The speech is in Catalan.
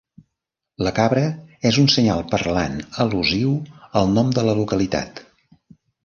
La cabra és un senyal parlant al·lusiu al nom de la localitat.